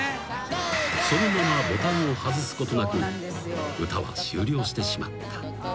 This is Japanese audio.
［そのままボタンを外すことなく歌は終了してしまった］